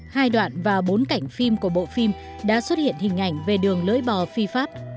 hai đoạn và bốn cảnh phim của bộ phim đã xuất hiện hình ảnh về đường lưỡi bò phi pháp